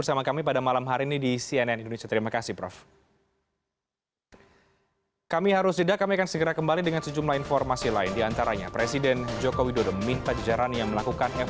bersama kami pada malam hari ini di cnn indonesia